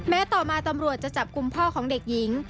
ต่อมาตำรวจจะจับกลุ่มพ่อของเด็กหญิง